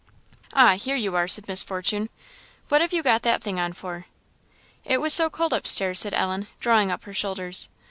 "Ah! here you are," said Miss Fortune. "What have you got that thing on for?" "It was so cold up stairs," said Ellen, drawing up her shoulders.